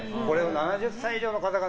７０歳以上の方が。